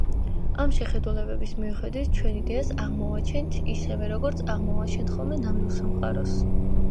ამ შეხედულების მიხედვით ჩვენ იდეას აღმოვაჩენთ ისევე როგორც აღმოვაჩენთ ხოლმე ნამდვილ სამყაროს.